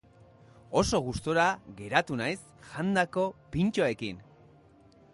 Oso gustura geratu naiz jandako pintxoekin.